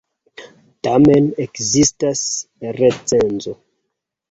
Tamen ekzistas recenzo!